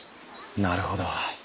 なるほど。